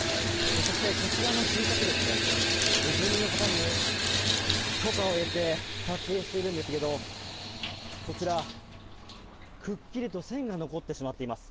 そしてこちらの住宅ですね、住民の方の許可を得て撮影しているんですけど、こちらくっきりと線が残ってしまっています。